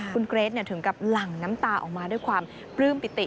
คุณเกรทถึงกับหลั่งน้ำตาออกมาด้วยความปลื้มปิติ